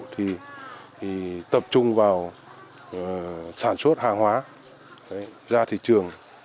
thì tập trung vào sản xuất hàng hóa ra thị trường